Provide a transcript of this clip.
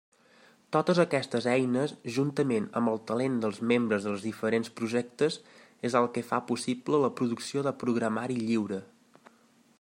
Totes aquestes eines, juntament amb el talent dels membres dels diferents projectes, és el que fa possible la producció de programari lliure.